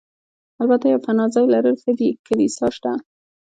البته یو پناه ځای لرل ښه دي، کلیسا شته.